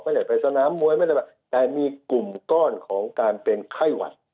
ไม่ได้ไปสนามมวยแต่มีกลุ่มก้อนของการเป็นไข้หวัด